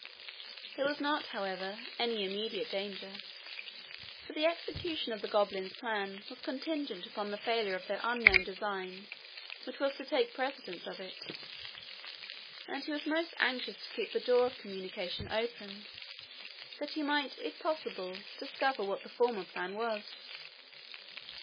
There was not, however, any immediate danger, for the execution of the goblins' plan was contingent upon the failure of that unknown design which was to take precedence of it; and he was most anxious to keep the door of communication open, that he might if possible discover what the former plan was.